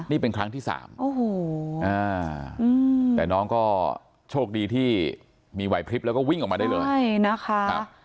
นี่เป็นครั้งที่สามโอ้โหแต่น้องก็โชคดีที่มีไหวพลิบแล้วก็วิ่งออกมาได้เลยใช่นะคะ